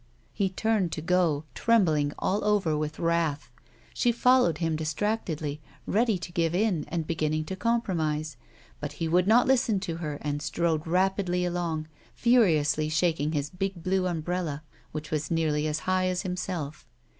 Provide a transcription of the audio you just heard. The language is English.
He turned to go, trembling all over with wrath. She followed him distractedly, ready to give in, and beginning to promise ; but he would not listen to her and strode rapidly along, furiously shaking his big blue umbrella which was nearly as high as himself.